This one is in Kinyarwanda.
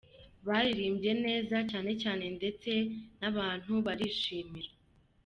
Baririmbye neza cyane ndetse n’abantu barabishimira.